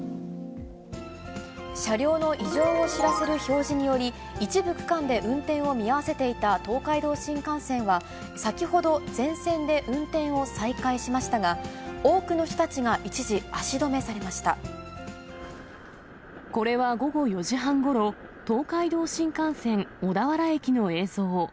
車両の異常を知らせる表示により、一部区間で運転を見合わせていた東海道新幹線は、先ほど、全線で運転を再開しましたが、多くの人たちが一時、足止めされこれは午後４時半ごろ、東海道新幹線小田原駅の映像。